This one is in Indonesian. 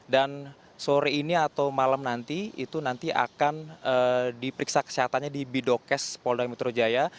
dan sore ini atau malam nanti itu nanti akan diperiksa kesehatannya di bidokes poldai metro jaya